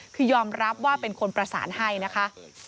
คือยอมรับว่าเป็นคนประสานให้นะคะ